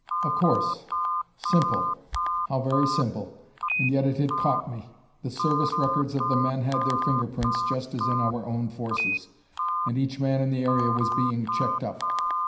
Of course! Simple: how very simple! And yet it had caught me! The service records of the men had their fingerprints, just as in our own forces. And each man in the area was being checked up.